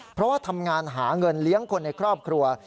เพราะว่าทำงานหาเงินเลี้ยงคนในครอบครัว